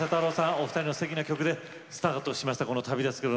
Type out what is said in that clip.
お二人のすてきな曲でスタートしました。